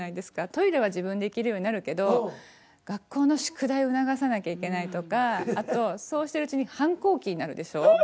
トイレは自分でできるようになるけど学校の宿題を促さなきゃいけないとかあとそうしてるうちに反抗期になるでしょ。